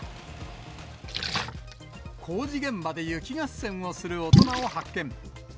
工事現場で雪合戦をする大人を発見。